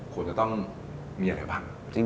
ควรจะต้องมีอะไรบ้าง